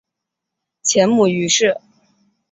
前母俞氏。